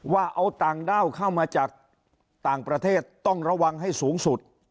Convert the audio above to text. ว่าเอาต่างด้าวเข้ามาจากต่างประเทศต้องระวังให้สูงสุด